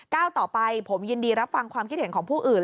ต่อไปผมยินดีรับฟังความคิดเห็นของผู้อื่น